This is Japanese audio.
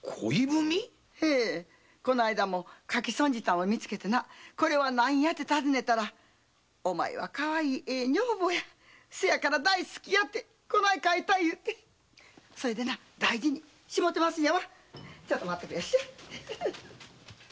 この間も書き損じを見つけてこれは何やて尋ねたらお前はかわいい女房やそやから大好きやってそう書いた言うてそれでな大事にしもうてますのやちょっと待って。